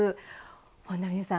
本田望結さん